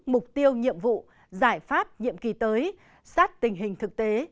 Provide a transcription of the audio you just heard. mục tiêu nhiệm vụ giải pháp nhiệm kỳ tới sát tình hình thực tế